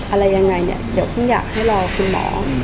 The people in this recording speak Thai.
อะไรยังไงเนี่ยเดี๋ยวเพิ่งอยากให้รอคุณหมอ